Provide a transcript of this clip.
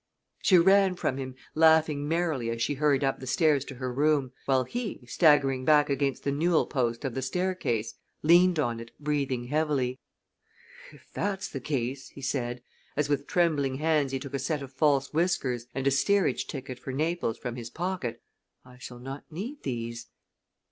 She ran from him, laughing merrily as she hurried up the stairs to her room, while he, staggering back against the newel post of the staircase, leaned on it, breathing heavily. "If that's the case," he said, as with trembling hands he took a set of false whiskers and a steerage ticket for Naples from his pocket, "I shall not need these."